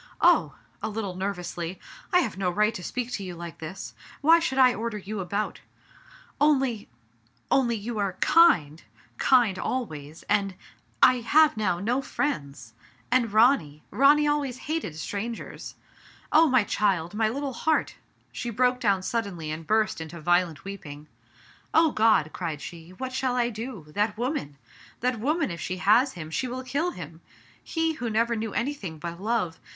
Oh!*' a little nervously, "I have no right to speak to you like this. Why should I order you about ? Only— only — ^you are kind — kind always, and— I have now no friends ! And Ronny — Ronny always hated strangers ! Oh ! my child, my little heart !" She broke down suddenly, and burst into violent weeping. " O God !" cried she, " what shall I do ? That woman ! That woman, if she has him, she will kill him ! He, who never knew anything but love